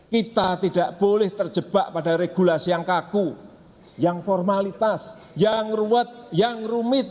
kita tidak boleh terjebak pada regulasi yang kaku yang formalitas yang ruwet yang rumit